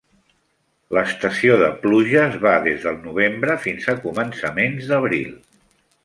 L'estació de pluges va des del Novembre fins a començaments d'Abril.